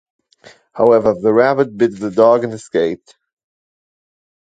However, the rabbit bit the dog and escaped.